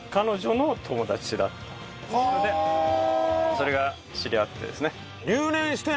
それが知り合ってですね。